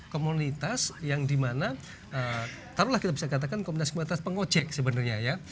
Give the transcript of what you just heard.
komunitas yang dimana taruhlah kita bisa katakan komunitas komunitas pengojek sebenarnya ya